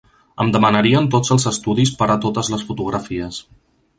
Em demanarien tots els estudis per a totes les fotografies.